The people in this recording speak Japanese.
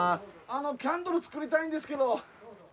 あのキャンドル作りたいんですけど。